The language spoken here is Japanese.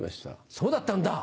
そうだったんだ。